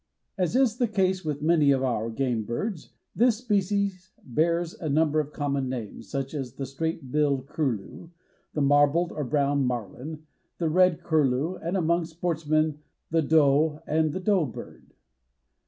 As is the case with many of our game birds, this species bears a number of common names, such as the Straight Billed Curlew, the Marbled or Brown Marlin, the Red Curlew and, among sportsmen, the Dough and the Doe Bird.